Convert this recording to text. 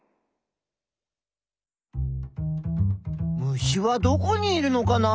虫はどこにいるのかな？